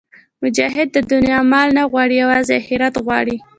مجاهد د دنیا مال نه غواړي، یوازې آخرت غواړي.